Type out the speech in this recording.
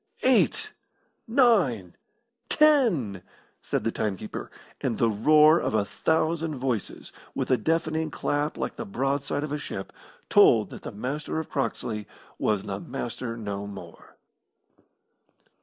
"Eight nine ten!" said the time keeper, and the roar of a thousand voices, with a deafening clap like the broad side of a ship, told that the Master of Croxley was the Master no more.